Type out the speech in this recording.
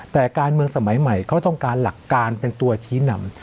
แต่การเมืองสมัยใหม่เขาต้องการหลักการเป็นตัวชี้นำ